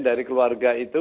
dari keluarga itu